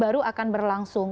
baru akan berlangsung